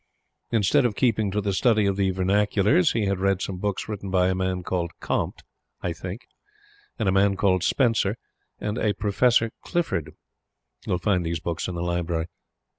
Instead of keeping to the study of the vernaculars, he had read some books written by a man called Comte, I think, and a man called Spencer, and a Professor Clifford. [You will find these books in the Library.